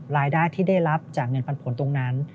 รายได้ที่ได้รับจากเงินปันผลตรงนั้น